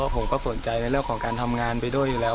ผมก็สนใจในเรื่องของการทำงานไปด้วยอยู่แล้ว